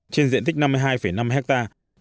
trên diện tích năm mươi hai năm hectare